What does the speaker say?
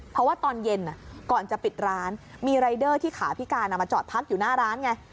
เพราะว่าตอนเย็นก่อนจะปิดร้านมีรายเดอร์ที่ขาพิการมาจอดพักอยู่หน้าร้านไง